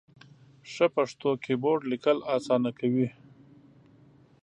ښه پښتو کېبورډ ، لیکل اسانه کوي.